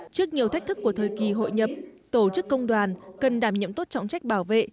trước nhiều thách thức của thời kỳ hội nhấm tổ chức công đoàn cần đảm nhiệm tốt trọng trách bảo vệ